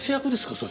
それ。